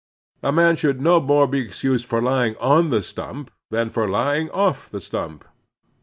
A man shotild no more be excused for lying on the sttmip than for lying off the sttimp.